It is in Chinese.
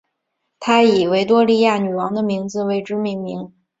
他以维多利亚女王的名字为之命名。